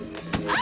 あ！